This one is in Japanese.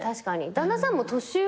旦那さんも年上？